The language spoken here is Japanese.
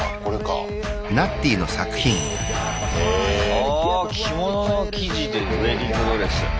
ああ着物の生地でウエディングドレス。